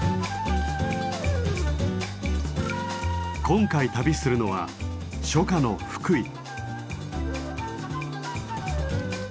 今回旅するのは初夏の福井。